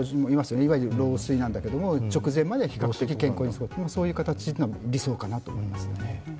いわゆる老衰なんだけれども、直前まで健康で、老衰という、そういう形が理想かなと思いますね。